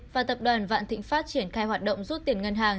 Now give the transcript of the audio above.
và tập đoàn vạn thịnh pháp triển khai hoạt động rút tiền ngân hàng